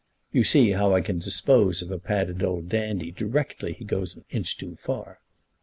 "You see how I can dispose of a padded old dandy directly he goes an inch too far."